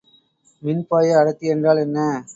மின்பாய அடர்த்தி என்றால் என்ன?